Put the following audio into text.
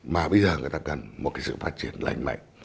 mà bây giờ người ta cần một cái sự phát triển lành mạnh